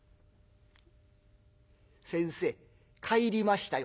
先生帰りましたよ」。